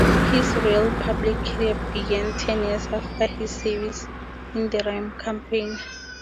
His real public career began ten years after his service in the Rhine campaign.